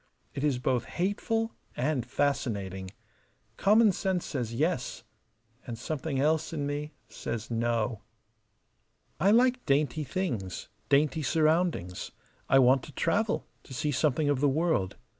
It is both hateful and fascinating. Common sense says Yes; and something else in me says No. I like dainty things, dainty surroundings. I want to travel, to see something of the world.